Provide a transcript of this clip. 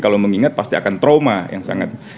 kalau mengingat pasti akan trauma yang sangat